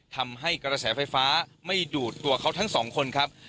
ทำให้กระแสไฟฟ้าไม่ดูดตัวเขาทั้งสองคนครับ